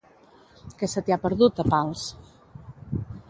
Què se t'hi ha perdut, a Pals?